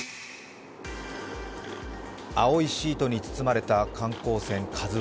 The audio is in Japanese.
青いシートに包まれた観光船「ＫＡＺＵⅠ」。